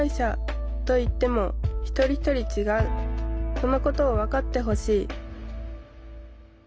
そのことを分かってほしい